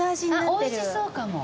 おいしそうかも。